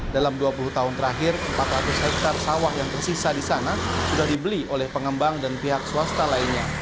dalam dua puluh tahun terakhir empat ratus hektare sawah yang tersisa di sana sudah dibeli oleh pengembang dan pihak swasta lainnya